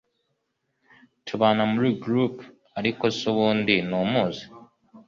tubana muri group… ariko se ubundi ntumuzi